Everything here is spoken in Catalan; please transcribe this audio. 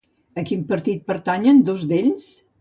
A quin partit pertanyen dos d'ells?